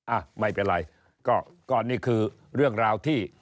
อ่ะไม่เป็นไรก็นี่คือเรื่องราวที่